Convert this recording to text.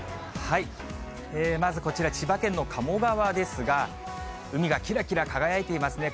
まずこちら、千葉県の鴨川ですが、海がきらきら輝いていますね。